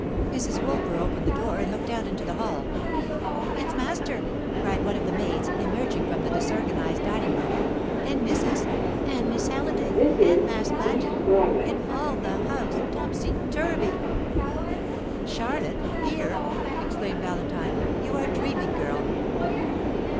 Mrs. Woolper opened the door and looked out into the hall. "It's master!" cried one of the maids, emerging from the disorganized dining room, "and missus, and Miss Halliday, and Mass Paget and all the house topsy turvy!" "Charlotte here!" exclaimed Valentine. "You are dreaming, girl!"